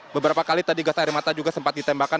beberapa kali tadi gas air mata juga sempat ditembakkan